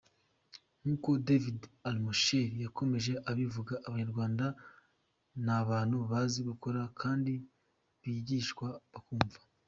Nk’uko David Ormesher yakomeje abivuga, Abanyarwanda ni abantu bazi gukora kandi bigishwa bakumva.